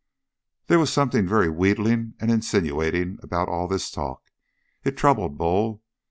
There was something very wheedling and insinuating about all this talk. It troubled Bull.